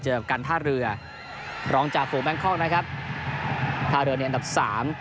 เจอกันท่าเรือร้องจาฝูแบงคอร์กนะครับท่าเรือนี้อันดับสาม